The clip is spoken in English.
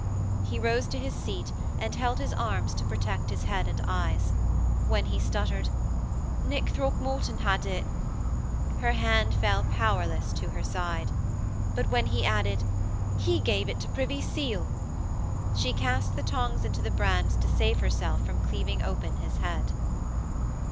He rose to his seat and held his arms to protect his head and eyes. When he stuttered: 'Nick Throckmorton had it!' her hand fell powerless to her side; but when he added: 'He gave it to Privy Seal!' she cast the tongs into the brands to save herself from cleaving open his head.